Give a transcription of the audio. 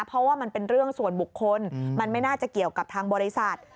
เพราะว่ามันเป็นเรื่องส่วนบุคคลมันไม่น่าจะเกี่ยวกับทางบริษัท